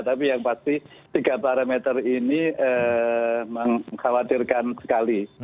tapi yang pasti tiga parameter ini mengkhawatirkan sekali